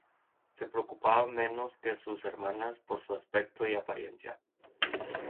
Se preocupaba menos que sus hermanas por su aspecto y apariencia.